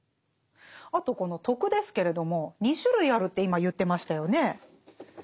あとこの「徳」ですけれども２種類あるって今言ってましたよね。